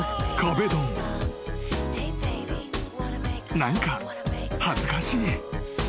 ［何か恥ずかしい］